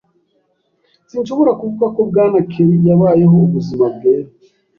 Sinshobora kuvuga ko Bwana Kelly yabayeho ubuzima bwera.